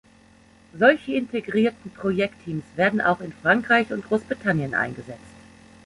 Solche integrierten Projektteams werden auch in Frankreich und Großbritannien eingesetzt.